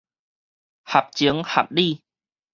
合情合理